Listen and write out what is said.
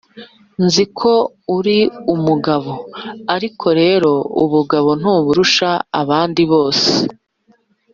Nzi ko uri umugabo, ariko rero ubugabo ntuburusha abandi bose